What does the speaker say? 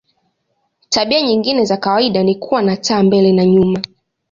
Tabia nyingine za kawaida ni kuwa na taa mbele na nyuma.